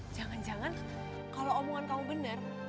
jangan jangan kalau omongan kamu benar